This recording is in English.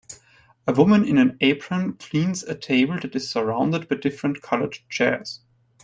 A woman in an apron cleans a table that is surrounded by different colored chairs